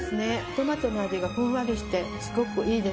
トマトの味がふんわりしてすごくいいですね。